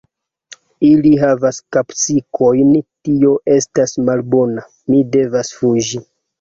Ili havas kapsikojn tio estas malbona; mi devas fuĝi